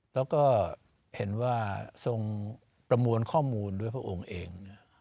แล้วก็เห็นว่าทรงประมวลข้อมูลด้วยพระองค์เอง